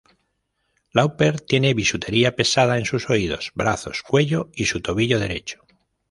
Lauper tiene bisutería pesada en sus oídos, brazos, cuello y su tobillo derecho.